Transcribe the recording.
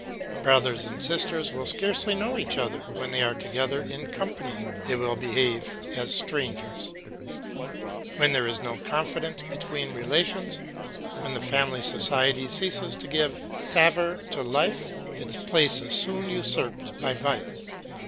Brothers and sisters will scarcely know each other; when they are together in company they will behave as strangers. When there is no confidence between relations, when the family society ceases to give savour to life, its place is soon usurped by vice.